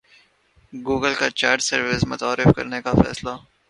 Google کا chat service متعارف کرانے کا فیصلہ